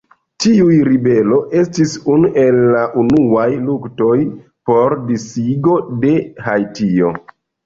Tiu ribelo estis unu el la unuaj luktoj por disigo de Haitio.